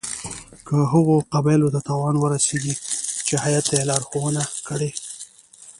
که هغو قبایلو ته تاوان ورسیږي چې هیات ته یې لارښودنه کړې.